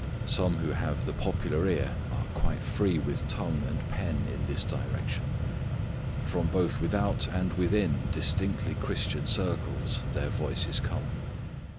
Some who have the popular ear are quite free with tongue and pen in this direction. From both without and within distinctly Christian circles their voices come.